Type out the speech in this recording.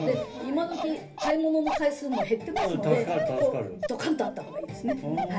今時、買い物の回数も減ってますのでドカンとあったほうがいいです。